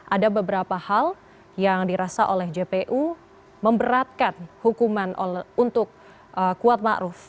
ada beberapa hal yang dirasa oleh jpu memberatkan hukuman untuk kuat ma'ruf